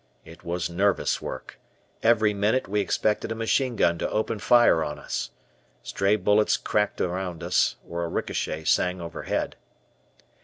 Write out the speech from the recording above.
It was nervous work; every minute we expected a machine gun to open fire on us. Stray bullets "cracked" around us, or a ricochet sang overhead.